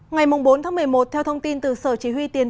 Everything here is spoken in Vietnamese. ngày bốn tháng một mươi một theo thông tin từ sở chỉ huy tiền